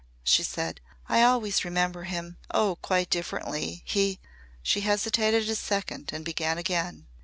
she said. "I always remember him oh, quite differently! He " she hesitated a second and began again.